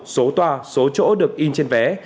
số tòa số chỗ được in trên vé